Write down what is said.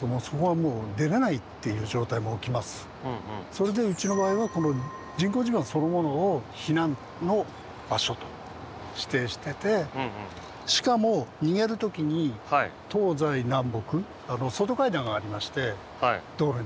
それでうちの場合はこの人工地盤そのものを避難の場所と指定しててしかも逃げる時に東西南北外階段がありまして道路に出れます。